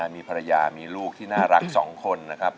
มีภรรยามีลูกที่น่ารัก๒คนนะครับ